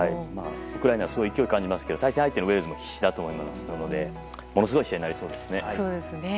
ウクライナすごい勢い感じますが対戦相手のウェールズも必死だと思いますのでものすごい試合になりそうですね。